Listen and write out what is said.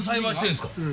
うん。